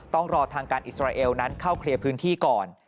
ต้องรอทางการอิสราเอลนั้นเข้าเคลียร์พื้นที่ก่อน